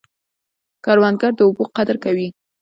کروندګر د اوبو قدر کوي